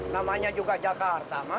namanya juga jakarta mas